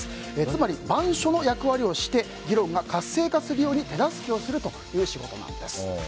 つまり、板書の役割をして議論が活性化するように手助けするという仕事なんです。